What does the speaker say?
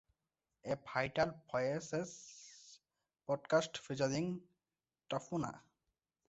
A Vital Voices podcast featuring Tafuna’i